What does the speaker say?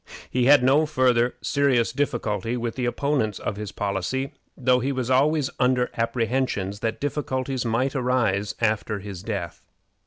He had no farther serious difficulty with the opponents of his policy, though he was always under apprehensions that difficulties might arise after his death.